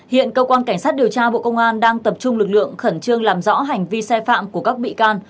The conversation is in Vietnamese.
hiện cơ quan cảnh sát điều tra bộ công an đang tập trung lực lượng khẩn trương làm rõ hành vi sai phạm của các bị can